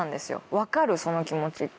「分かるその気持ち」って。